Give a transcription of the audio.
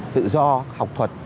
tự do học thuật